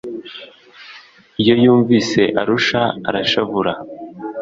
iyo yumvise arusha arashavura